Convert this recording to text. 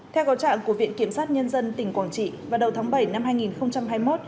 theo cầu trạng của viện kiểm sát nhân dân tỉnh quảng trị vào đầu tháng bảy năm hai nghìn hai mươi một